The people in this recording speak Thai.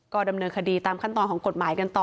ก็ดำเนินคดีตามขั้นตอนของกฎหมายกันต่อ